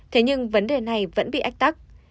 thế nhưng vấn đề này vẫn bị ách tắc